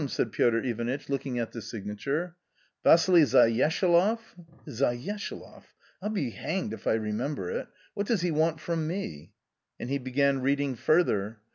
said Piotr Ivanitch, looking at the signature. "Vassili Zayeshaloff! Zayeshaloff !— I'll be hanged if I remember it. What does he want from me ?" And he began reading further.